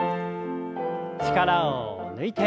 力を抜いて。